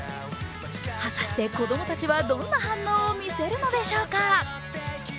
果たして子供たちはどんな反応を見せるのでしょうか？